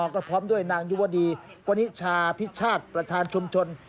ก็พร้อมด้วยนางยุวดีวนิชาพิชาติประธานชุมชน